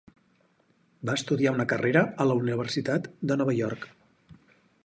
Va estudiar una carrera a la Universitat de Nova York.